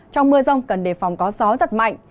trong mưa rông cần đề phòng có gió giật mạnh